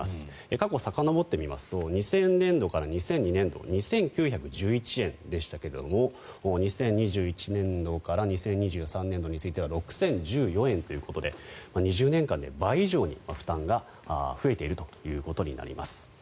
過去さかのぼってみますと２０００年度から２００２年度２９１１円でしたけども２０２１年度から２０２３年度については６０１４円ということで２０年間で倍以上に負担が増えているということになります。